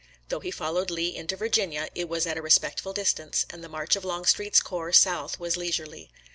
Though he followed Lee into Virginia, it was at a respect ful distance, and the march of Longstreet's corps south was leisurely.